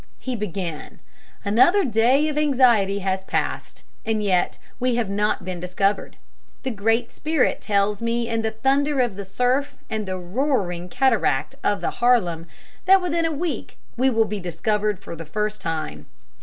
He began, "Another day of anxiety has passed, and yet we have not been discovered! The Great Spirit tells me in the thunder of the surf and the roaring cataract of the Harlem that within a week we will be discovered for the first time."